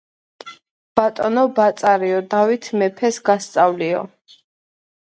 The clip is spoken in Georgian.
ბატონო ბაწარიო, დავით მეფეს გასწავლიო.